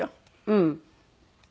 うん。